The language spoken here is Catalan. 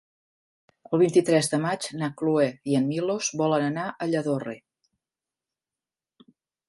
El vint-i-tres de maig na Cloè i en Milos volen anar a Lladorre.